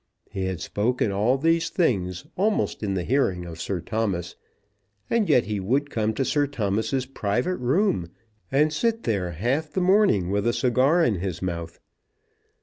He had spoken all these things, almost in the hearing of Sir Thomas. And yet he would come to Sir Thomas's private room, and sit there half the morning with a cigar in his mouth!